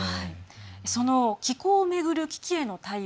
その気候を巡る危機への対応。